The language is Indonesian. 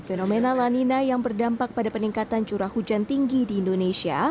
fenomena lanina yang berdampak pada peningkatan curah hujan tinggi di indonesia